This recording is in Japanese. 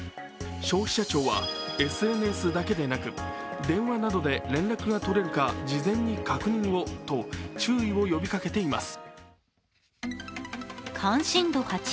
消費者庁はＳＮＳだけではなく電話などで連絡が取れるか事前に確認をと注意を呼びかけています。